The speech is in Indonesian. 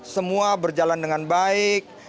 semua berjalan dengan baik